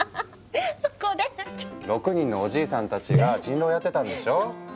６人のおじいさんたちが人狼やってたんでしょ？